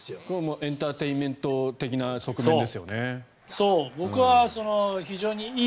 エンターテインメント的な側面ですよね。